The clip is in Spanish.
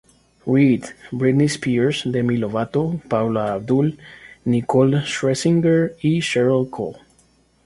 Reid, Britney Spears, Demi Lovato, Paula Abdul, Nicole Scherzinger y Cheryl Cole.